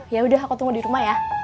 ya udah aku tunggu di rumah ya